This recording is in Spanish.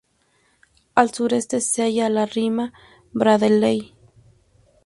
Al sureste se halla la Rima Bradley.